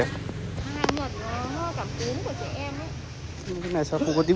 hàng nhật cả cúm của trẻ em